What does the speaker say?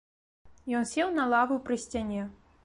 Ён сеў на лаву пры сцяне.